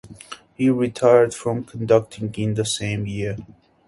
He retired from conducting in the same year.